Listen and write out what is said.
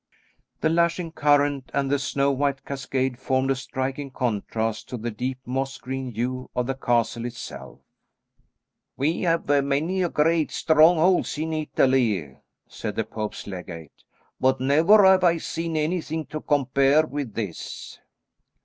The lashing current and the snow white cascade formed a striking contrast to the deep moss green hue of the castle itself. "We have many great strongholds in Italy," said the Pope's legate, "but never have I seen anything to compare with this."